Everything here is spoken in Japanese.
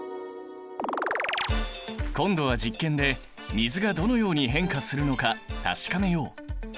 今度は実験で水がどのように変化するのか確かめよう！